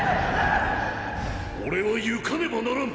俺は行かねばならん！！